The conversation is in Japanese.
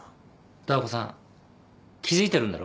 ダー子さん気付いてるんだろ？